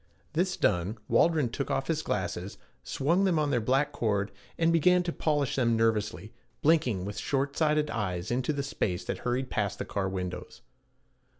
This done, Waldron took off his glasses, swung them on their black cord, and began to polish them nervously, blinking with short sighted eyes into the space that hurried past the car windows.